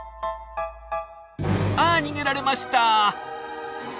あっ逃げられました。